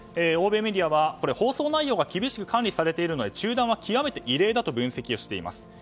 欧米メディアは放送内容が厳しく管理されているので中断は極めて異例だと分析しています。